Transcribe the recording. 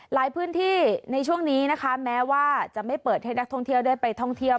หลายพื้นที่ในช่วงนี้นะคะแม้ว่าจะไม่เปิดให้นักท่องเที่ยวได้ไปท่องเที่ยว